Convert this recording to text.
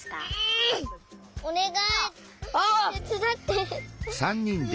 ん！おねがいてつだって！